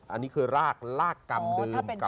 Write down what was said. อันนี้คือรากกรรมเดิมกรรมเก่า